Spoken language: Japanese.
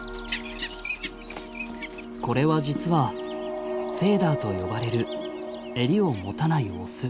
これは実はフェーダーと呼ばれるエリを持たないオス。